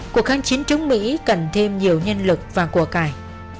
cuộc kháng chiến chống mỹ cần thêm nhiều nhân lực và cuộc cải